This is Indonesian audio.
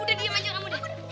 udah diem aja kamu deh